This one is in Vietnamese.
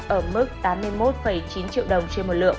ở mức tám mươi một chín triệu đồng trên một lượng